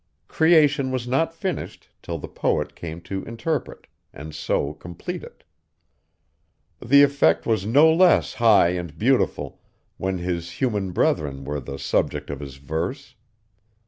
Creation was not finished till the poet came to interpret, and so complete it. The effect was no less high and beautiful, when his human brethren were the subject of his verse.